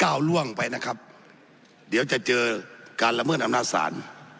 ก้าวล่วงไปนะครับเดี๋ยวจะเจอการละเมิดอำนาจศาล